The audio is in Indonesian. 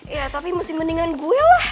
ya tapi mesti mendingan gue lah